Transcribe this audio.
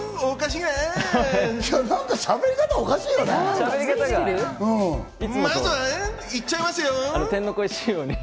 しゃべり方、おかしいよね。